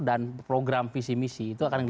dan program visi misi itu akan